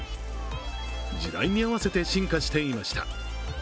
時代に合わせて進化していました。